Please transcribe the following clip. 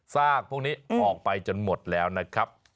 ซากพวกนี้ออกไปจนหมดแล้วนะครับ